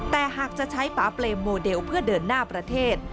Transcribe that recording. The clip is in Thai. แต่หากจะใช้ป่าเปรมโมเดลเพื่อเดินหน้าประเทศ